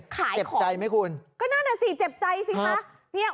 ขายของเจ็บใจมะคุณก็นั่นน่ะสิเจ็บใจสิปะ